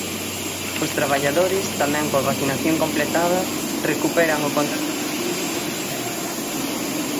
Os traballadores, tamén coa vacinación completada, recuperan o contacto afectivo cos residentes.